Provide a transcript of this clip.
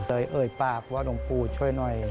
เอ่ยปากว่าหลวงปู่ช่วยหน่อย